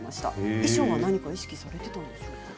衣装は何か意識されていたんですか。